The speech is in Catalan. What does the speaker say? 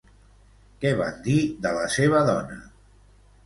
Què van dir de la seva dona?